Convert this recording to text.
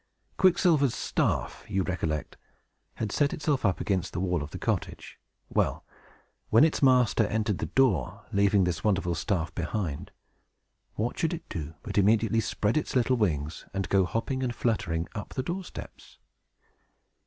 Quicksilver's staff, you recollect, had set itself up against the wall of the cottage. Well; when its master entered the door, leaving this wonderful staff behind, what should it do but immediately spread its little wings, and go hopping and fluttering up the door steps!